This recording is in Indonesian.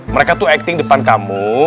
mereka tuh acting depan kamu